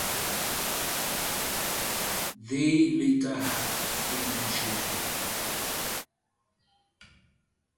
They later had three more children.